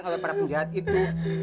kalau para penjahat itu